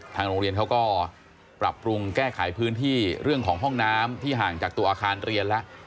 โรงเรียนเขาก็ปรับปรุงแก้ไขพื้นที่เรื่องของห้องน้ำที่ห่างจากตัวอาคารเรียนแล้ว